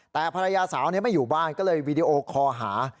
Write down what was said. แต่ภรรยาสาวไม่อยู่บ้านก็เลยวีดีโอคอหา